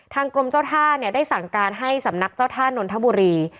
กรมเจ้าท่าเนี่ยได้สั่งการให้สำนักเจ้าท่านนนทบุรี